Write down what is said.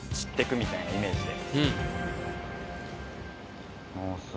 みたいなイメージで。